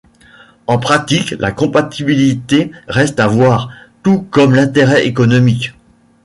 En pratique, la compatibilité reste à voir, tout comme l'intérêt économique.